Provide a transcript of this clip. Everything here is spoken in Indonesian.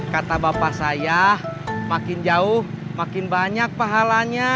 kata bapak saya makin jauh makin banyak pahalanya